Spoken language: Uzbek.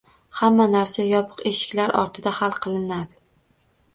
Hamma narsa yopiq eshiklar ortida hal qilinadi